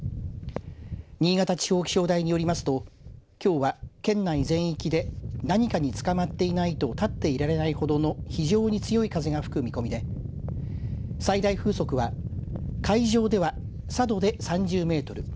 新潟地方気象台によりますときょうは県内全域で何かにつかまっていないと立っていられないほどの非常に強い風が吹く見込みで最大風速は海上では佐渡で３０メートル。